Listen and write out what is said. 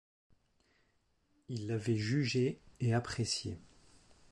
Il l’avait jugée et appréciée.